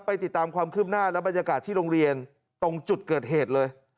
ติดตามความคืบหน้าและบรรยากาศที่โรงเรียนตรงจุดเกิดเหตุเลย